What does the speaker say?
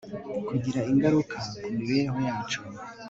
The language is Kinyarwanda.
kugira ingaruka ku mibereho yacu